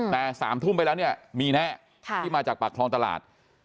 แต่๓ทุ่มไปแล้วเนี่ยมีแน่ที่มาจากปากคลองตลาด